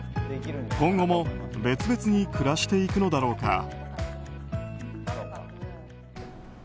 今後も別々に暮らしていくのだろうか。